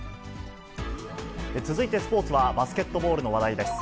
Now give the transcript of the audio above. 続いてスポーツは、バスケットボールの話題です。